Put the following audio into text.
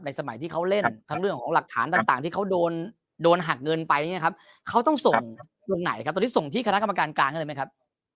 ในสมัยที่เขาเล่นทั้งเรื่องของหลักฐานต่างที่เขาโดนหักเงินไปอย่างนี้นะครับ